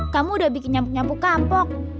kamu udah bikin nyampuk nyampuk kampok